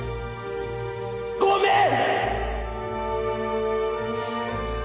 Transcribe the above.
ごめん！